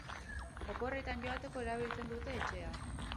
Oporretan joateko erabiltzen dute etxea.